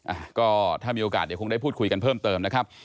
อ่ะก็ถ้ามีโอกาสเดี๋ยวคงได้พูดคุยกันเพิ่มเติมนะครับ